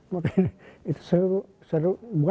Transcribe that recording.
maka itu seru